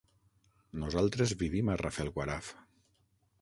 Nosaltres vivim a Rafelguaraf.